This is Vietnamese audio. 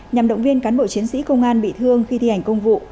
nhằm động viên cán bộ chiến sĩ công an bị thương khi thi hành công vụ